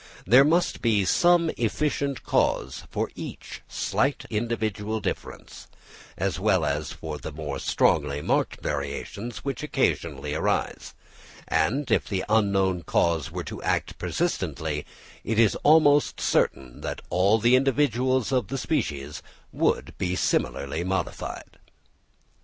There must be some efficient cause for each slight individual difference, as well as for more strongly marked variations which occasionally arise; and if the unknown cause were to act persistently, it is almost certain that all the individuals of the species would be similarly modified.